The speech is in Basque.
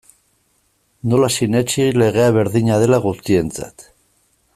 Nola sinetsi legea berdina dela guztientzat?